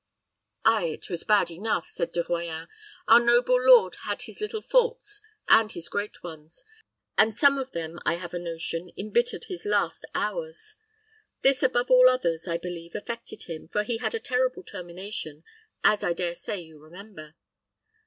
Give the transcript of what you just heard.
"Ay, it was bad enough," said De Royans. "Our noble lord had his little faults and his great ones; and some of them. I have a notion, imbittered his last hours. This, above all others, I believe, affected him, for it had a terrible termination, as I dare say you remember."